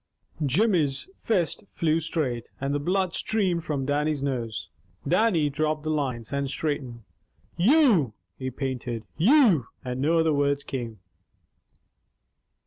Jimmy's fist flew straight, and the blood streamed from Dannie's nose. Dannie dropped the lines, and straightened. "You " he panted. "You " And no other words came.